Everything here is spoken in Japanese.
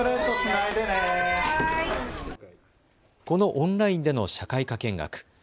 このオンラインでの社会科見学。